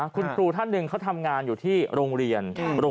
คุณครูท่านหนึ่งเขาทำงานอยู่ที่โรงเรียน